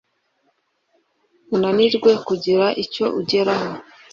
unanirwe kugira icyo ugeraho;